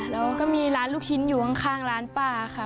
แล้วก็มีร้านลูกชิ้นอยู่ข้างร้านป้าค่ะ